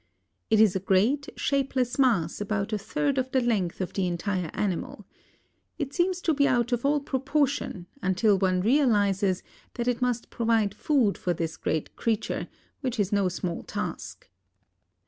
It is a great, shapeless mass about a third of the length of the entire animal. It seems to be out of all proportion until one realizes that it must provide food for this great creature, which is no small task.